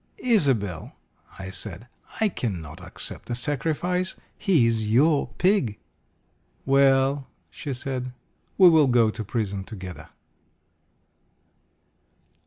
"Isobel," I said, "I cannot accept the sacrifice. He is your pig." "Well," she said, "we will go to prison together."